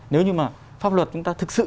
nếu như mà pháp luật chúng ta thực sự